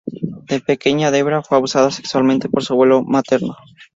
De pequeña Debra fue abusada sexualmente por su abuelo materno.